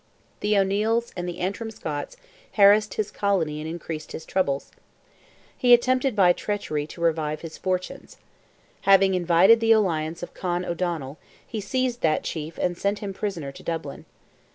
The O'Neils and the Antrim Scots harassed his colony and increased his troubles. He attempted by treachery to retrieve his fortunes. Having invited the alliance of Con O'Donnell, he seized that chief and sent him prisoner to Dublin.